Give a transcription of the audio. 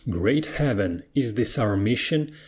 Great Heaven! Is this our mission?